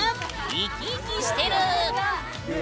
生き生きしてる！